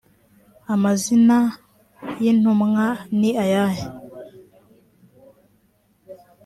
amazina y intumwa ni ayahe